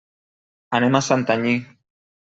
Anem a Santanyí.